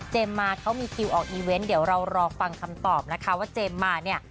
มาเขามีคิวออกอีเวนต์เดี๋ยวเรารอฟังคำตอบนะคะว่าเจมส์มาเนี่ย